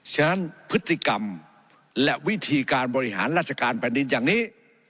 ฉะนั้นพฤติกรรมและวิธีการบริหารราชการแผ่นดินอย่างนี้